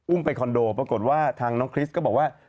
ไปคอนโดปรากฏว่าทางน้องคริสก็บอกว่า